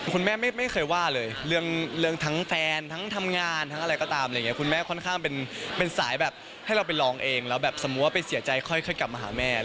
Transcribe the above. คุณแม่ไม่เคยว่าเลยเรื่องทั้งแฟนทั้งทำงานทั้งอะไรก็ตามอะไรอย่างนี้คุณแม่ค่อนข้างเป็นสายแบบให้เราไปลองเองแล้วแบบสมมุติว่าไปเสียใจค่อยกลับมาหาแม่